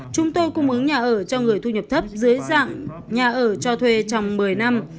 chúng tôi cung ứng nhà ở cho người thu nhập thấp dưới dạng nhà ở cho thuê trong một mươi năm